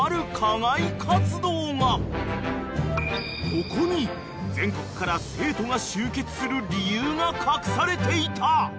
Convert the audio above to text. ［ここに全国から生徒が集結する理由が隠されていた］